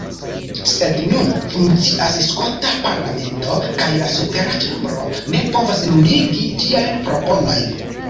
Sed nun funkcias skota parlamento, kaj la supera ĉambro ne povas nuligi ĝiajn proponojn.